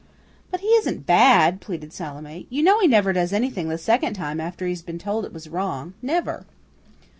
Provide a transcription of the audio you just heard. "But he isn't bad," pleaded Salome. "You know he never does anything the second time after he has been told it was wrong, never."